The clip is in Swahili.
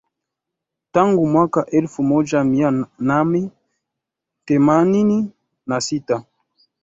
tangu mwaka elfu moja mia name themanini na sita